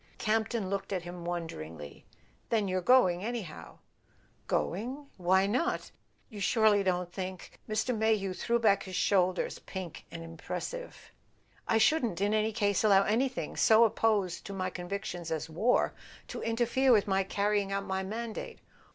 Campton looked at him wonderingly. "Then you're going anyhow ?" "Going? Why not? You surely don't think ?" Mr. Mayhew threw back his shoulders, pink and im¬ pressive. "I shouldn't, in any case, allow anything so opposed to my convictions as war to interfere with my carrying out my mandate.